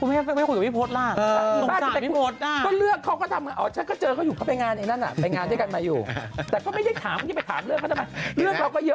เหวี่ยงเรื่องอะไรมีแฟนมีแตงโม